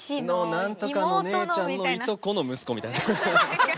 何とかの姉ちゃんのいとこの息子みたいな。